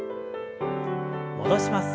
戻します。